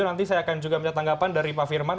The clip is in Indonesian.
nanti saya akan juga minta tanggapan dari pak firman